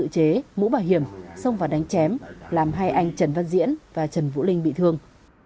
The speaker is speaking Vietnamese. giàu tự chế mũ bảo hiểm xông và đánh chém làm hai anh trần văn diễn và trần vũ linh bị thương